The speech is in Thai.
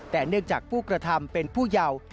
แต่เนื่องจากผู้กระทำเป็นผู้เยาว์